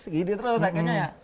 gini terus akhirnya ya